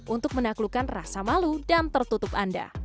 untuk menaklukkan rasa malu dan tertutup anda